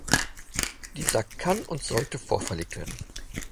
Dieser kann und sollte vorgelegt werden.